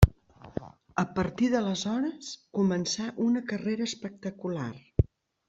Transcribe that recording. A partir d'aleshores començà una carrera espectacular.